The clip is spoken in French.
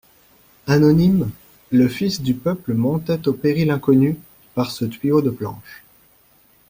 Anonyme, le fils du peuple montait au péril inconnu, par ce tuyau de planches.